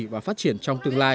và phát triển trong tương lai